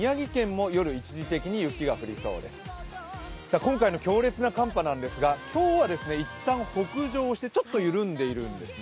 今回の強烈な寒波なんですが今日はいったん北上してちょっと緩んでいるんですね。